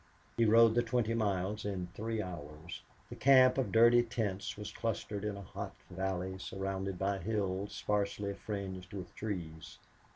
He rode the twenty miles in three hours. The camp of dirty tents was clustered in a hot valley surrounded by hills sparsely fringed with trees.